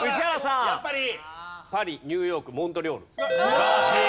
素晴らしい。